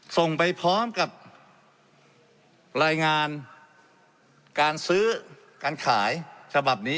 ส่งไปพร้อมกับรายงานการซื้อการขายฉบับนี้